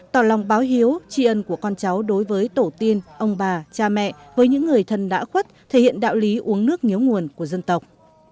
tỏ lòng báo hiếu tri ân của con cháu đối với tổ tiên ông bà cha mẹ với những người thân đã khuất thể hiện đạo lý uống nước nhớ nguồn của dân tộc